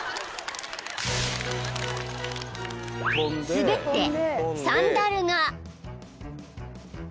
［滑ってサンダルが］